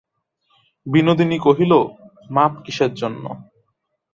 বিনোদিনী কহিল, মাপ কিসের জন্য।